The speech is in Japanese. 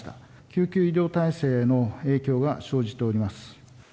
救急医療体制への影響が生じております。